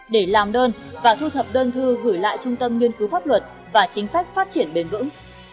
để làm đơn và thu thập đơn thư gửi lại trung tâm nghiên cứu pháp luật và chính sách phát triển bền vững